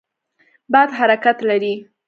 باد حرکت لري.